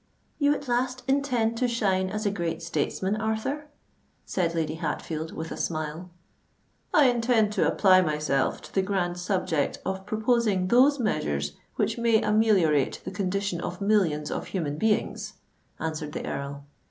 "You at last intend to shine as a great statesman, Arthur?" said Lady Hatfield, with a smile. "I intend to apply myself to the grand subject of proposing those measures which may ameliorate the condition of millions of human beings," answered the Earl.